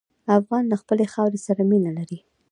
افغان له خپلې خاورې سره مینه لري.